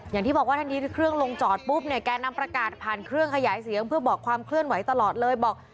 อย่างที่บอกว่าทันทีที่เครื่องลงจอดปุ๊บเนี่ยแกนำประกาศผ่านเครื่องขยายเสียงเพื่อบอกความเคลื่อนไหวตลอดเลยบอก